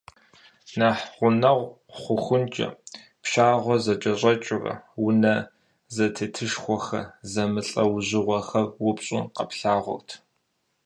Нэхъ гъунэгъу хъухункӏэ, пшагъуэр зэкӏэщӏэкӏыурэ, унэ зэтетышхуэхэ зэмылӏэужьыгъуэхэр упщӏу къэплъагъурт.